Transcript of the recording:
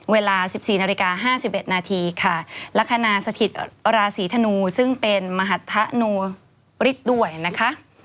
เวลา๑๔นาฬิกา๕๑นาทีค่ะลักษณะสถิตราศีธนูซึ่งเป็นมหัฒนูฤทธิ์ด้วยนะคะ